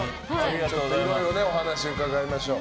いろいろお話を伺います。